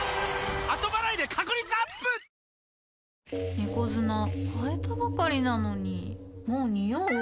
猫砂替えたばかりなのにもうニオう？